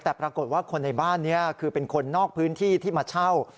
แต่ปรากฏว่าคนในบ้านนี้คือเป็นคนนอกพื้นที่ที่มาเช่า